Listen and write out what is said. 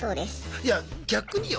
いや逆によ？